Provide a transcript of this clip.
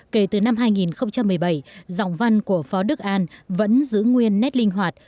kể từ năm hai nghìn một mươi bảy giọng văn của phó đức an vẫn giữ nguyên nét linh hoạt